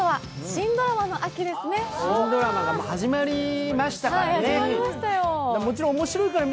新ドラマが始まりましたからね。